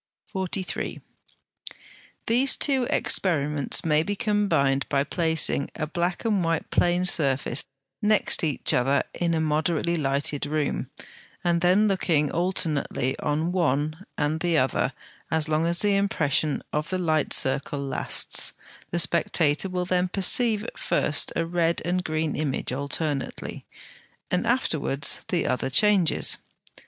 43. These two experiments may be combined by placing a black and a white plane surface next each other in a moderately lighted room, and then looking alternately on one and the other as long as the impression of the light circle lasts: the spectator will then perceive at first a red and green image alternately, and afterwards the other changes.